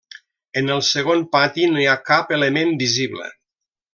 En el segon pati no hi ha cap element visible.